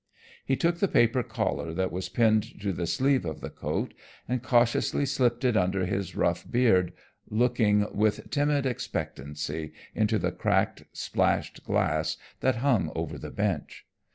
He took the paper collar that was pinned to the sleeve of the coat and cautiously slipped it under his rough beard, looking with timid expectancy into the cracked, splashed glass that hung over the bench.